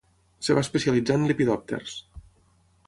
Es va especialitzar en lepidòpters.